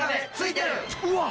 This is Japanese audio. うわっ！